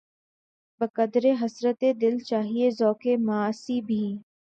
بقدرِ حسرتِ دل‘ چاہیے ذوقِ معاصی بھی